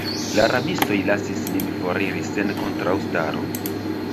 La rabistoj lasis nin foriri sen kontraŭstaro.